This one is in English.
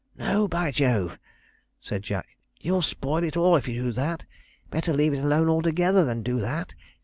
'No, by Jove!' said Jack; 'you'll spoil all if you do that: better leave it alone altogether than do that.